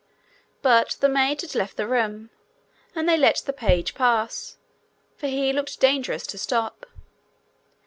But the maid had left the room, and they let the page pass, for he looked dangerous to stop.